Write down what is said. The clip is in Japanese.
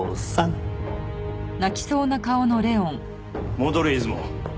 戻れ出雲。